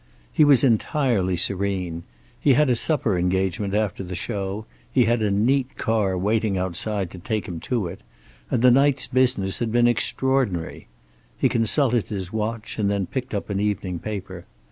He was entirely serene. He had a supper engagement after the show, he had a neat car waiting outside to take him to it, and the night's business had been extraordinary. He consulted his watch and then picked up an evening paper.